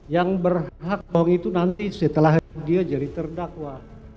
yang berhak bohong itu nanti setelah dia jadi terdakwa